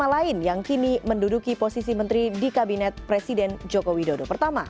dan dua nama lain yang kini menduduki posisi menteri di kabinet presiden joko widodo i